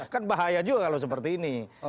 kan bahaya juga kalau seperti ini